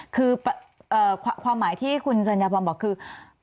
คือความหมายที่คุณสัญญาพรบอกคือ